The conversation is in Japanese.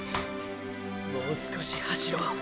もう少し走ろう。